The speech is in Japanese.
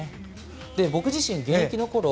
僕自身、現役のころ